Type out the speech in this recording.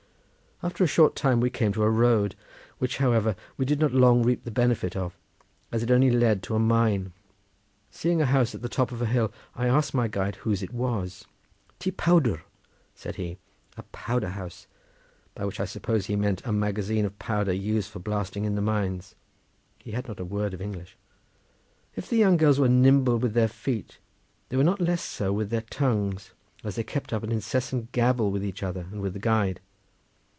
After a short time we came to a road, which, however, we did not long reap the benefit of as it only led to a mine. Seeing a house on the top of a hill, I asked my guide whose it was. "Ty powdr," said he, "a powder house," by which I supposed he meant a magazine of powder used for blasting in the mines. He had not a word of English. If the young girls were nimble with their feet, they were not less so with their tongues, as they kept up an incessant gabble with each other and with the guide.